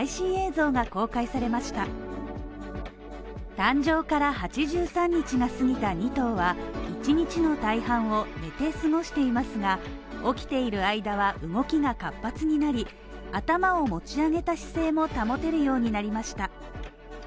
誕生から８３日が過ぎた２頭は一日の大半を寝て過ごしていますが起きている間は動きが活発になり、頭を持ち上げた姿勢も保てるようになりました。